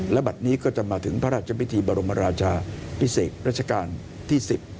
และบัตรนี้ก็จะมาถึงพระราชพิธีบรมราชาพิเศษรัชกาลที่๑๐